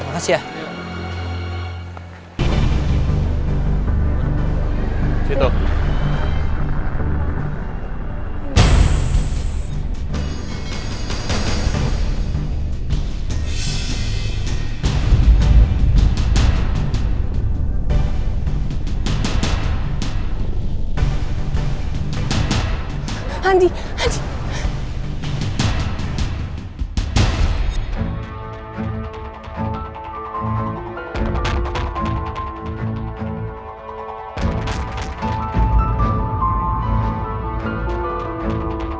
mereka kemana ya